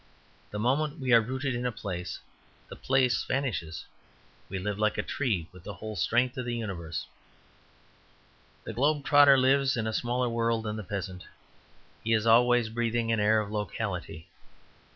The moment we are rooted in a place, the place vanishes. We live like a tree with the whole strength of the universe. The globe trotter lives in a smaller world than the peasant. He is always breathing, an air of locality.